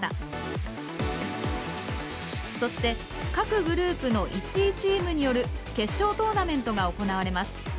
そして各グループの１位チームによる決勝トーナメントが行われます。